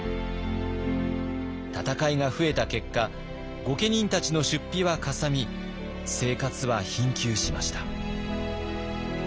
戦いが増えた結果御家人たちの出費はかさみ生活は貧窮しました。